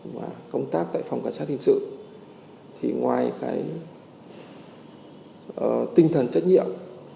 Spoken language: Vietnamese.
và công tác tại phòng cảnh sát hình sự thì ngoài cái tinh thần trách nhiệm